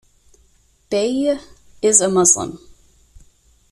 Beye is a Muslim.